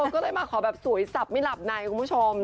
ก็เลยมาขอแบบสวยสับไม่หลับในคุณผู้ชม